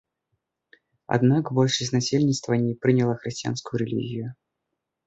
Аднак большасць насельніцтва не прыняла хрысціянскую рэлігію.